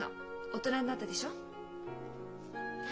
大人になったでしょ？